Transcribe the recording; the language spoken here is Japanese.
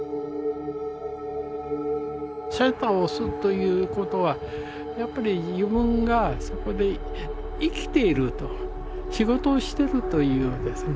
シャッターを押すということはやっぱり自分がそこで生きていると仕事をしてるというですね